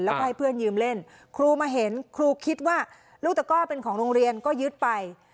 แล้วก็ให้เพื่อนยืมเล่นครูมาเห็นครูคิดว่าลูกตะก้อเป็นของโรงเรียนก็ยึดไป